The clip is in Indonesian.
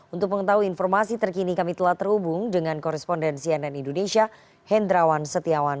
untuk mengetahui informasi terkini kami telah terhubung dengan koresponden cnn indonesia hendrawan setiawan